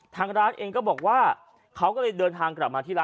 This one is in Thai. ทางร้านเองก็บอกว่าเขาก็เลยเดินทางกลับมาที่ร้าน